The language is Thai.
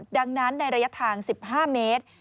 ดังนั้นในระยะทาง๑๕เมตร